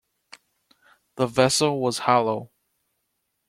The vessel was hollow.